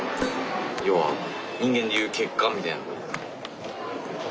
要は人間で言う血管みたいなこと。